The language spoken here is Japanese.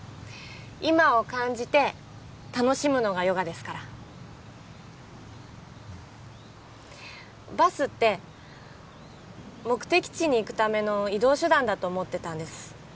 今を感じて楽しむのがヨガですからバスって目的地に行くための移動手段だと思ってたんです